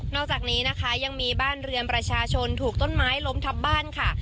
อกจากนี้นะคะยังมีบ้านเรือนประชาชนถูกต้นไม้ล้มทับบ้านค่ะ